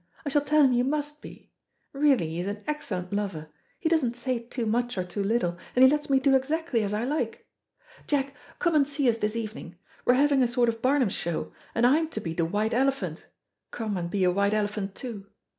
I shall tell him you must be. Really he is an excellent lover; he doesn't say too much or too little, and he lets me do exactly as I like. Jack, come and see us this evening; we're having a sort of Barnum's Show, and I'm to be the white elephant. Come and be a white elephant too.